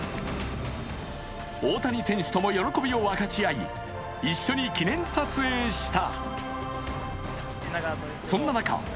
大谷選手とも喜びを分かち合い一緒に記念撮影した。